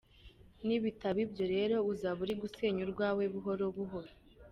Nibitaba ibyo rero uzaba uri gusenya urwawe buhoro buhoro.